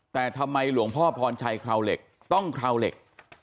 แต่ทำไมหลวงพ่อพรชัยคราวเหล็กต้องคราวเหล็ก